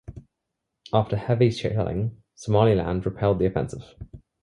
After heavy shelling Somaliland repelled the offensive.